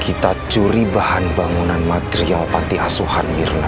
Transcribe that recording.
kita curi bahan bangunan material panti asuhan mirna